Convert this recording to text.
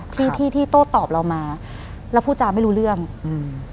ที่ที่โต้ตอบเรามาแล้วพูดจาไม่รู้เรื่องอืม